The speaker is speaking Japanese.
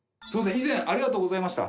以前ありがとうございました。